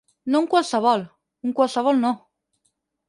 No un qualsevol, un qualsevol no.